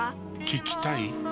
聞きたい？